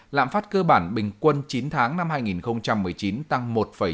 lãm phát cơ bản bình quân chín tháng năm hai nghìn một mươi chín tăng một chín mươi một